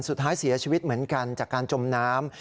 สุดท้ายเสียชีวิตเหมือนกันจากการจมน้ำ